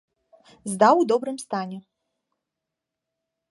Здаў у добрым стане.